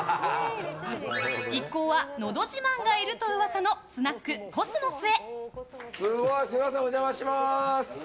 一行は、のど自慢がいると噂のスナック秋桜へ。